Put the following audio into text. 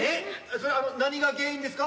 それ何が原因ですか？